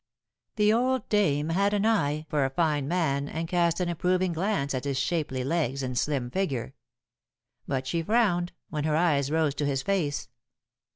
The old dame had an eye for a fine man, and cast an approving glance at his shapely legs and slim figure. But she frowned when her eyes rose to his face.